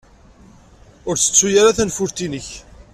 Ur ttettu ara tanfult-nnek!